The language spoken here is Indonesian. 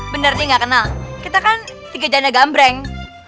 bener sih gak kenal kita kan tiga janda gambreng